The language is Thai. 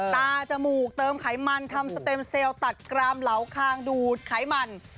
จมูกเติมไขมันทำสเต็มเซลล์ตัดกรามเหลาคางดูดไขมัน